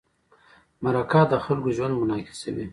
مرکه د خلکو ژوند منعکسوي.